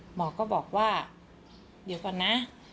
หมอก็บอกว่าเดี๋ยวก่อนนะ